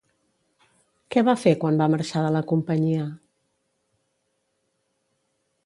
Què va fer quan va marxar de la companyia?